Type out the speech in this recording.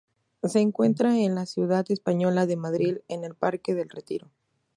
Se encuentra en la ciudad española de Madrid, en el parque del Retiro.